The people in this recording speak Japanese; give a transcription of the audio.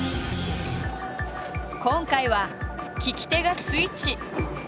今回は聞き手がスイッチ。